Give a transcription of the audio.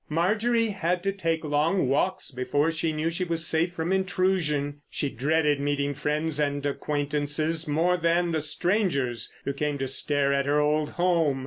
Marjorie had to take long walks before she knew she was safe from intrusion. She dreaded meeting friends and acquaintances more than the strangers who came to stare at her old home.